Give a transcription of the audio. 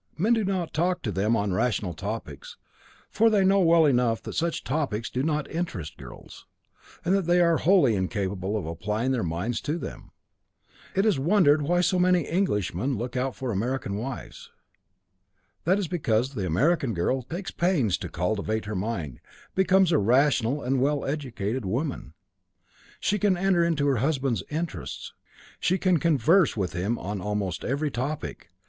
Men do not talk to them on rational topics, for they know well enough that such topics do not interest girls, and that they are wholly incapable of applying their minds to them. It is wondered why so many Englishmen look out for American wives. That is because the American girl takes pains to cultivate her mind, becomes a rational and well educated woman. She can enter into her husband's interests, she can converse with him on almost every topic.